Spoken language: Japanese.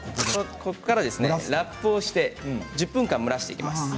ここからラップをして１０分間蒸らしていきます。